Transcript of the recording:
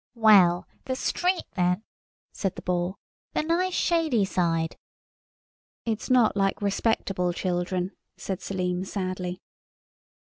"Well, the street then," said the Ball; "the nice shady side." "It's not like respectable children," said Selim sadly.